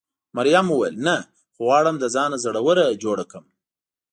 مريم وویل: نه، خو غواړم له ځانه زړوره جوړه کړم.